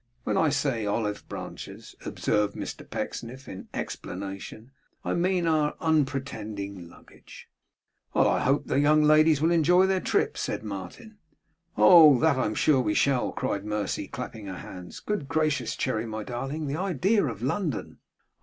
When I say olive branches,' observed Mr Pecksniff, in explanation, 'I mean, our unpretending luggage.' 'I hope the young ladies will enjoy their trip,' said Martin. 'Oh! that I'm sure we shall!' cried Mercy, clapping her hands. 'Good gracious, Cherry, my darling, the idea of London!